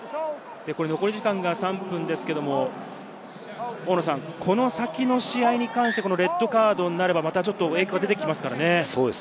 残り時間が３分ですけど、この先の試合に関して、レッドカードになれば影響が出てきますからね。